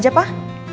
jalan aja pak